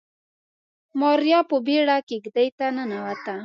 ماريا په بيړه کېږدۍ ته ننوته.